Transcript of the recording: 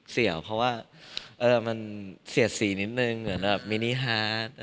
เพราะว่ามันเสียดสีนิดนึงเหมือนแบบมินิฮาร์ด